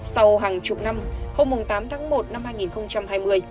sau hàng chục năm hôm tám tháng một năm hai nghìn hai mươi